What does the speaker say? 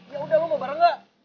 yaudah lo mau bareng ga